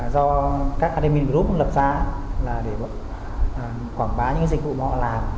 do các admin group lập ra là để quảng bá những dịch vụ mà họ làm